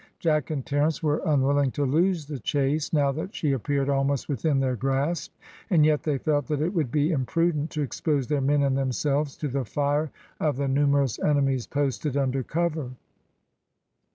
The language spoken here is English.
Jack and Terence were unwilling to lose the chase, now that she appeared almost within their grasp, and yet they felt that it would be imprudent to expose their men and themselves to the fire of the numerous enemies posted under cover.